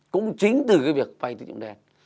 cũng chính từ cái việc vay tín dụng đen